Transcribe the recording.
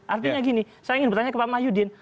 artinya gini saya ingin bertanya ke pak mahyudin